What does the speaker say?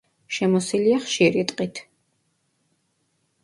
შემოსილია ხშირი ტყით.